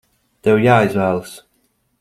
Tev jāizvēlas!